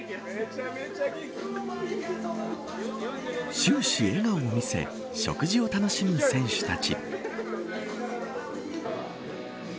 終始、笑顔を見せ食事を楽しむ選手たち。